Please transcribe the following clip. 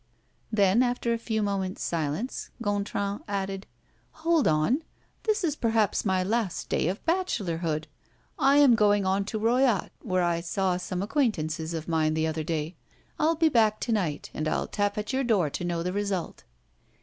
Then, after a few moments' silence, Gontran added: "Hold on! This is perhaps my last day of bachelorhood. I am going on to Royat, where I saw some acquaintances of mine the other day. I'll be back to night, and I'll tap at your door to know the result."